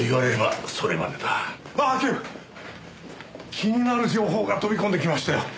気になる情報が飛び込んできましたよ。